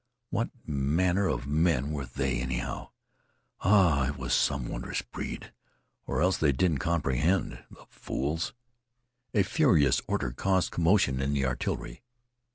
What manner of men were they, anyhow? Ah, it was some wondrous breed! Or else they didn't comprehend the fools. A furious order caused commotion in the artillery.